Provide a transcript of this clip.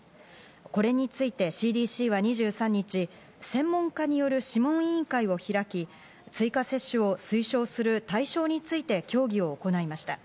これについてＣＤＣは２３日、専門家による諮問委員会を開き、追加接種を推奨する対象について協議を行いました。